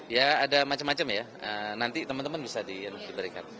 ya ada macam macam ya nanti teman teman bisa diberikan